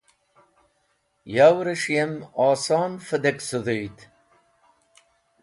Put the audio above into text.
Yavrẽs̃h yem oson vẽdek sẽdgũyd